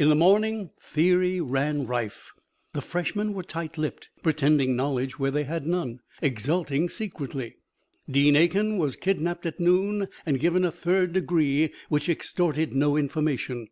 In the morning, theory ran rife. The freshmen were tight lipped, pretending knowledge where they had none, exulting secretly. Dean Aiken was kidnapped at noon and given a third degree, which extorted no information.